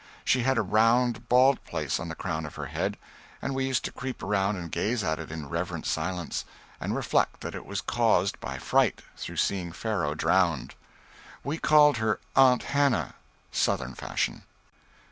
She had a round bald place on the crown of her head, and we used to creep around and gaze at it in reverent silence, and reflect that it was caused by fright through seeing Pharaoh drowned. We called her "Aunt" Hannah, Southern fashion.